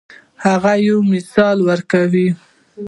هغه یو مثال ورکوي.